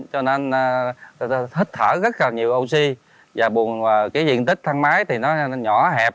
cho nên thích thở rất nhiều oxy và buồn viện tích thang máy nhỏ hẹp